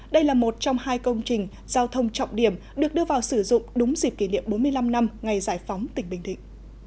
đây là một trong hai công trình giao thông trọng điểm được đưa vào sử dụng đúng dịp kỷ niệm bốn mươi năm năm ngày giải phóng tỉnh bình định